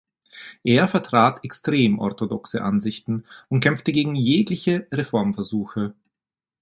Er vertrat extrem orthodoxe Ansichten und kämpfte gegen jegliche Reformversuche.